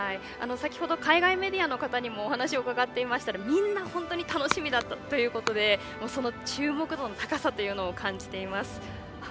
先ほど海外メディアの方にお話を伺っていましたがみんな楽しみだということでその注目度の高さというのを感じています。